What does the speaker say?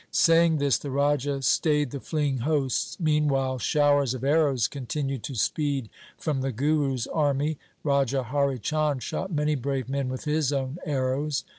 Saying this the Raja stayed the fleeing hosts. Meanwhile showers of arrows continued to speed from the Guru's army. Raja Hari Chand shot many brave men with his own arrows.